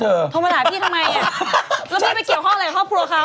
โทรมาด่าพี่ทำไมแล้วไม่ไปเกี่ยวห้องอะไรห้อครัวเขา